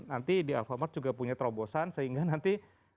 nanti di alphamart juga punya terobosan sehingga nanti